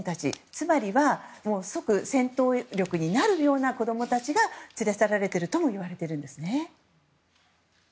つまりは即戦闘力になるような子供たちが連れ去られているともいわれているんですね。